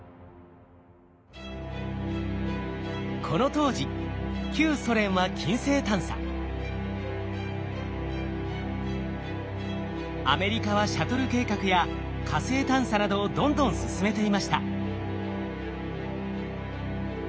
この当時アメリカはシャトル計画や火星探査などをどんどん進めていました。